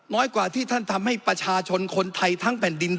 กว่าที่ท่านทำให้ประชาชนคนไทยทั้งแผ่นดิน